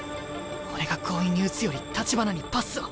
俺が強引に打つより橘にパスを。